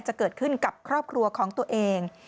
จะเกิดขึ้นกับครอบครัวของตัวเอง